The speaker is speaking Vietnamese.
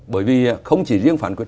bởi vì không chỉ riêng phán quyết